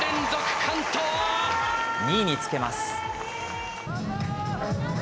２位につけます。